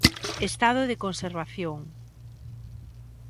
Estado de conservación.